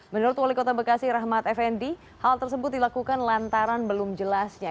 menurut wali kota bekasi rahmat effendi hal tersebut dilakukan lantaran belum jelasnya